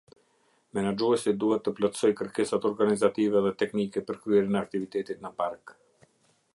Menaxhuesi duhet të plotësojë kërkesat organizative dhe teknike për kryerjen e aktiviteteve në park.